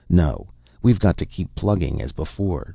No; we've got to keep plugging as before.